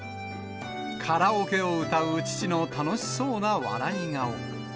カラオケを歌う父の楽しそうな笑い顔。